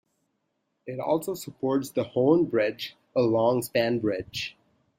It also supports the Hoan Bridge, a long span bridge.